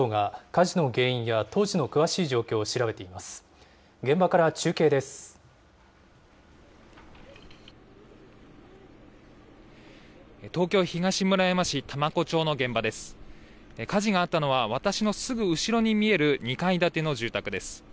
火事があったのは私のすぐ後ろに見える、２階建ての住宅です。